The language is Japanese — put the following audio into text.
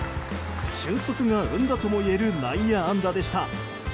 俊足が生んだともいえる内野安打でした。